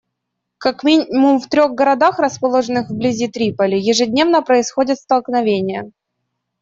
Как минимум в трех городах, расположенных вблизи Триполи, ежедневно происходят столкновения.